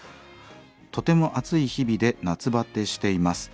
「とても暑い日々で夏バテしています。